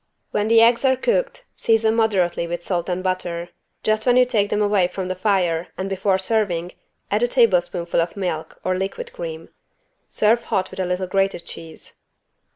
When the eggs are cooked season moderately with salt and butter. Just when you take them away from the fire and before serving add a tablespoonful of milk or liquid cream. Serve hot with a little grated cheese.